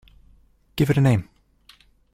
Give it a name.